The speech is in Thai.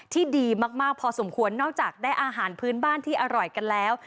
ดีมากพอสมควรนอกจากได้อาหารพื้นบ้านที่อร่อยกันแล้ว